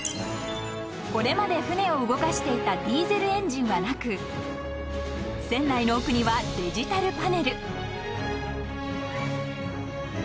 ［これまで船を動かしていたディーゼルエンジンはなく船内の奥にはデジタルパネル］